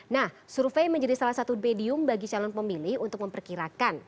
nah survei menjadi salah satu medium bagi calon pemilih untuk memperkirakan